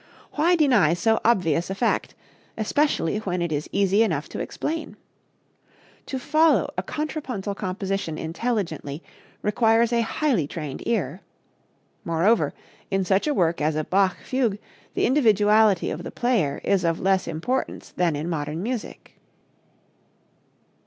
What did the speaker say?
Why deny so obvious a fact, especially when it is easy enough to explain? To follow a contrapuntal composition intelligently requires a highly trained ear. Moreover, in such a work as a Bach fugue the individuality of the player is of less importance than in modern music.